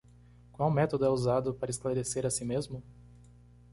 Qual método é usado para esclarecer a si mesmo?